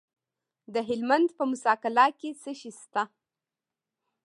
د هلمند په موسی قلعه کې څه شی شته؟